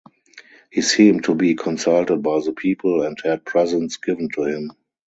He seemed to be consulted by the people and had presents given to him.